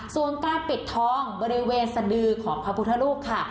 ส่วนการปิดทองบริเวณสดือของพระพุทธรูปค่ะ